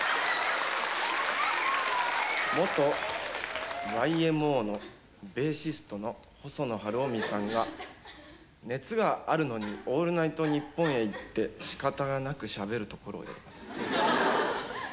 元ＹＭＯのベーシストの細野晴臣さんが熱があるのに「オールナイトニッポン」へ行ってしかたがなくしゃべるところをやります。